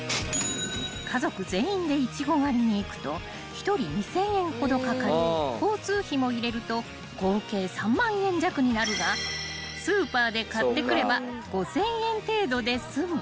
［家族全員でイチゴ狩りに行くと１人２，０００円ほどかかり交通費も入れると合計３万円弱になるがスーパーで買ってくれば５，０００円程度で済む］